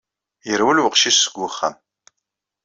Yerwel weqcic seg wexxam.